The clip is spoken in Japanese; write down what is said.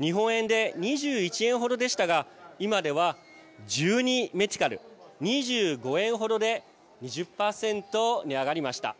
日本円で２１円ほどでしたが今では１２メティカル２５円ほどで２０％値上がりました。